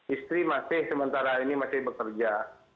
istri masih sementara ini masih bekerja